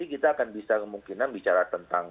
kita akan bisa kemungkinan bicara tentang